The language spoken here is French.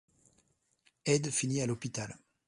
Ed finit à l'hôpital.